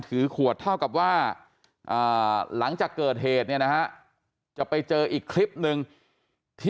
ถือขวดเท่ากับว่าหลังจากเกิดเหตุเนี่ยนะฮะจะไปเจออีกคลิปนึงที่